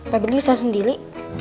pak beli saya sendiri